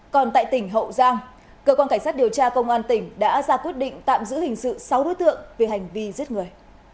còn tại tỉnh hậu giang cơ quan cảnh sát điều tra công an tỉnh đã ra quyết định tạm giữ hình sự sáu đối tượng về hành vi giết người